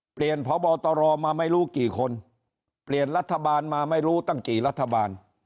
พบตรมาไม่รู้กี่คนเปลี่ยนรัฐบาลมาไม่รู้ตั้งกี่รัฐบาล